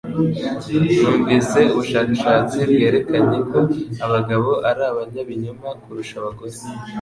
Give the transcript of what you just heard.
Numvise ubushakashatsi bwerekanye ko abagabo ari abanyabinyoma kurusha abagore